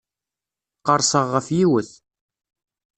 Qerrseɣ ɣef yiwet.